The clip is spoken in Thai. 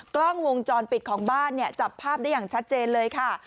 กล้องวงจรปิดของบ้านเนี่ยจับภาพได้อย่างชัดเจนเลยค่ะ